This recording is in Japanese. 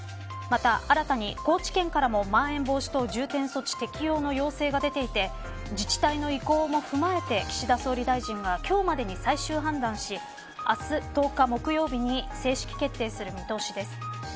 また、新たに高知県からもまん延防止等重点措置適用の要請がきていて自治体の意向も踏まえて岸田総理大臣が今日までに最終判断し明日、１０日木曜日に正式決定する見通しです。